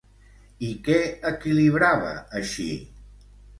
I què equilibrava, així?